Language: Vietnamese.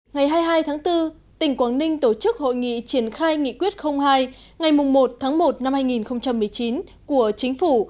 ngày hai mươi hai tháng bốn tỉnh quảng ninh tổ chức hội nghị triển khai nghị quyết hai ngày một tháng một năm hai nghìn một mươi chín của chính phủ